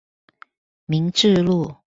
民治路